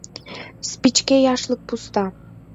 Спичке яшлык пуста.